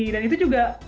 dan itu juga